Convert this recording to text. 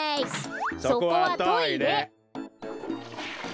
そこはトイレ！